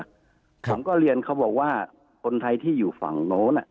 ผมก็เรียนเขาบอกว่าคนไทยที่อยู่ฝั่งโน้น